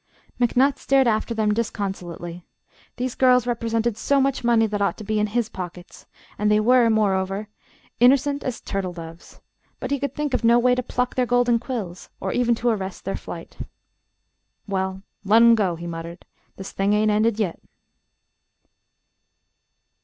McNutt stared after them disconsolately. These girls represented so much money that ought to be in his pockets, and they were, moreover, "innercent as turtle doves"; but he could think of no way to pluck their golden quills or even to arrest their flight. "Well, let 'em go," he muttered. "This thing ain't ended yit."